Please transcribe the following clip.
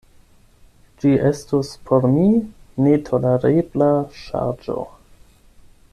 Ĝi estus por mi netolerebla ŝarĝo.